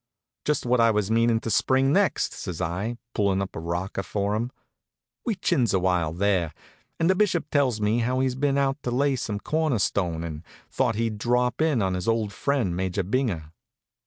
"Just what I was meanin' to spring next," says I, pullin' up a rocker for him. We chins awhile there, and the Bishop tells me how's he been out to lay a cornerstone, and thought he'd drop in on his old friend, Major Binger.